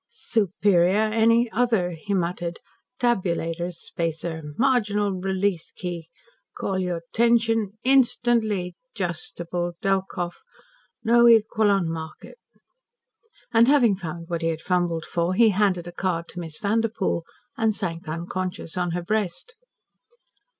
"Superior any other," he muttered. "Tabulator spacer marginal release key call your 'tention instantly 'justable Delkoff no equal on market." And having found what he had fumbled for, he handed a card to Miss Vanderpoel and sank unconscious on her breast.